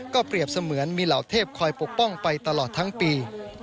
เปรียบเสมือนมีเหล่าเทพคอยปกป้องไปตลอดทั้งปี